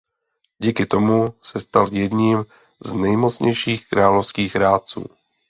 Díky tomu se stal jedním z nejmocnějších královských rádců.